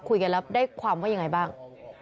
คุยกันแล้วได้ความว่ายังไงบ้าง